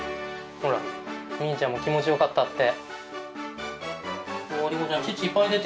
ほらミニーちゃんも気持ちよかったって。